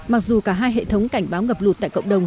mặc dù cả hai hệ thống cảnh báo ngập lụt tại cộng đồng